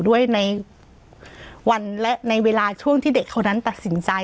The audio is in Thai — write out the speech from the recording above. ด้วยในวันและในเวลาช่วงที่เด็กเขานั้นตัดสินใจ